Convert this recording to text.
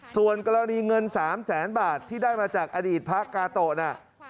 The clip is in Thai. ส่วนกรณีเงิน๓แสนบาทที่ได้มาจากอดีตพระกาโตะนะ